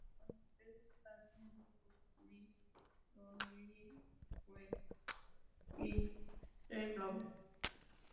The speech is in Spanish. Cuando usted está viendo "Dum Diddly","Don't Lie","Where is the Love?